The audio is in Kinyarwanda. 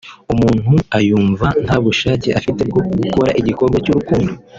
umuntu abayumva ntabushake afite bwo gukora igikorwa cy’urukundo